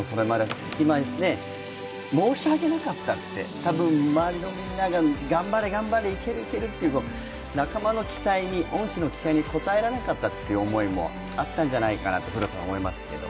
申し訳なかったって、たぶん周りのみんなが頑張れ、頑張れ、いける、いけるって仲間の期待、恩師の期待に応えられなかったという思いがあったんじゃないかと思います。